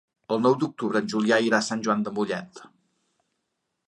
El nou d'octubre en Julià irà a Sant Joan de Mollet.